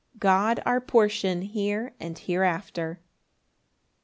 God our portion here and hereafter.